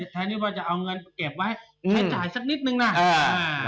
แทนที่ว่าจะเอาเงินไปเก็บไว้ใช้จ่ายสักนิดนึงนะอ่า